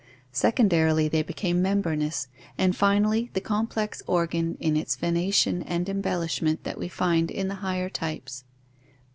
Secondarily they became membranous, and finally, the complex organ in its venation and embellishment that we find in the higher types.